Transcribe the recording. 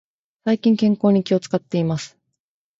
最近、健康に気を使っています。